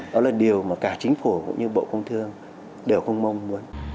đó là điều mà cả chính phủ cũng như bộ công thương đều không mong muốn